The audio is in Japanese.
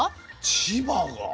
千葉が。